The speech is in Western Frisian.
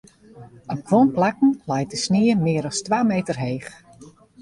Op guon plakken leit de snie mear as twa meter heech.